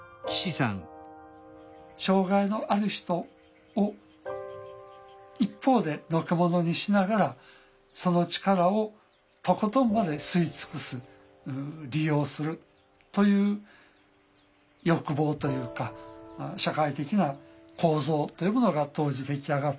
障害のある人を一方でのけ者にしながらその力をとことんまで吸い尽くす利用するという欲望というか社会的な構造というものが当時出来上がっていた。